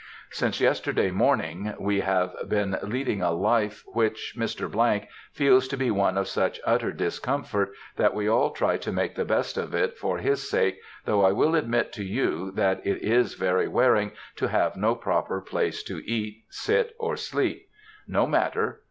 Since yesterday morning we have been leading a life which Mr. —— feels to be one of such utter discomfort that we all try to make the best of it for his sake, though I will admit to you that it is very wearing to have no proper place to eat, sit, or sleep. No matter!